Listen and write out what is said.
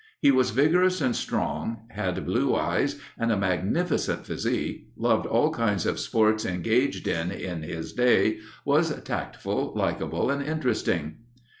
He was vigorous and strong, had blue eyes and a magnificent physique, loved all kinds of sports engaged in in his day, was tactful, likable, and interesting....